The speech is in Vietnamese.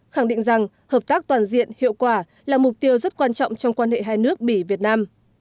khẳng định rằng hợp tác toàn diện hiệu quả là mục tiêu rất quan trọng trong quan hệ hai nước bỉ việt nam